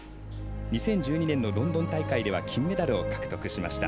２０１２年のロンドン大会では金メダルを獲得しました。